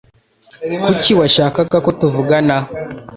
Kuki washakaga ko tuvugana?